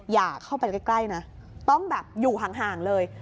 อย่าเข้าไปใกล้นะต้องแบบอยู่ห่างเลย